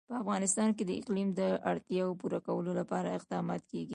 په افغانستان کې د اقلیم د اړتیاوو پوره کولو لپاره اقدامات کېږي.